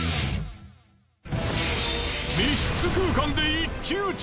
密室空間で一騎打ち！